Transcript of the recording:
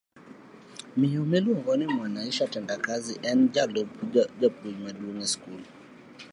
Miyo miluongo ni Mwanaisha Tendakazi jalup jatelo maduong' e skul